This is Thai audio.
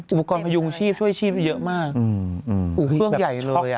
อุปกรณ์พยุงชีพช่วยชีพเยอะมากเครื่องใหญ่เลย